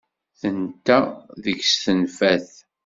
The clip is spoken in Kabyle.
Tenta deg-s tenfa-t.